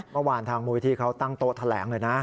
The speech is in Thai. เมื่อวานทางมูลที่เขาตั้งโต๊ะแถลงเลยนะ